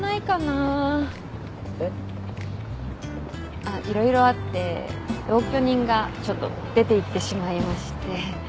あっ色々あって同居人がちょっと出ていってしまいまして。